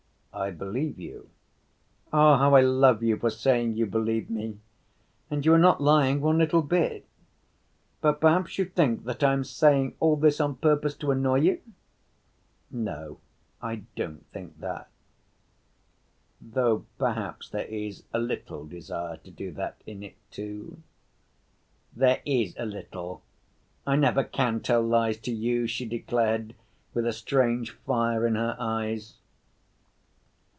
"I believe you." "Ah, how I love you for saying you believe me. And you are not lying one little bit. But perhaps you think that I am saying all this on purpose to annoy you?" "No, I don't think that ... though perhaps there is a little desire to do that in it, too." "There is a little. I never can tell lies to you," she declared, with a strange fire in her eyes.